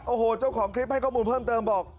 โอ้โหเจ้าของคลิปให้ข้อมูลเพิ่มเติมบอก